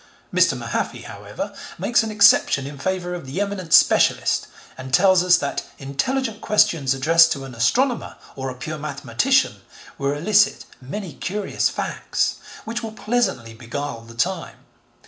Mr. Mahaffy, however, makes an exception in favour of the eminent specialist and tells us that intelligent questions addressed to an astronomer, or a pure mathematician, will elicit many curious facts which will pleasantly beguile the time.